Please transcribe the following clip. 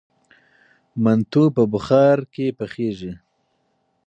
منتو په بخار پخیږي.